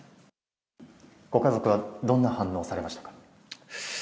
ご家族はどんな反応をされましたか？